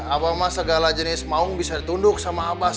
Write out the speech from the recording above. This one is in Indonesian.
abah mah segala jenis maung bisa ditunduk sama abah